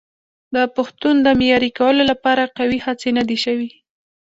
د پښتو د معیاري کولو لپاره قوي هڅې نه دي شوي.